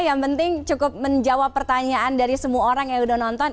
yang penting cukup menjawab pertanyaan dari semua orang yang udah nonton